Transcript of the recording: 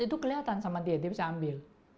itu kelihatan sama dia dia bisa ambil